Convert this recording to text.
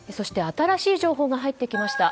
新しい情報が入ってきました。